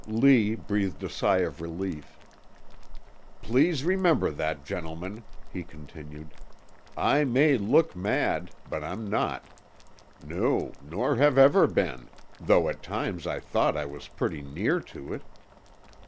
Lee breathed a sigh of relief. "Please remember that, gentlemen," he continued. "I may look mad but I'm not. No, nor ever have been, though at times I thought I was pretty near to it."